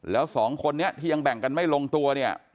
แล้วสองคนนี้ที่ยังแบ่งกันไม่ลงตัวเนี่ย